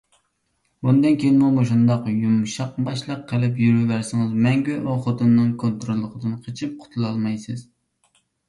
بۇندىن كېيىنمۇ مۇشۇنداق يۇمشاقباشلىق قىلىپ يۈرۈۋەرسىڭىز، مەڭگۈ ئۇ خوتۇننىڭ كونتروللۇقىدىن قېچىپ قۇتۇلالمايسىز.